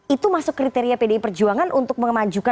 itu masuk kriteria pdi perjuangan untuk mengembangkan masyarakat